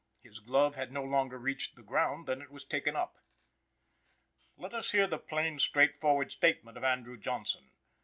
His glove had no sooner reached the ground than it was taken up. Let us hear the plain, straightforward statement of Andrew Johnson.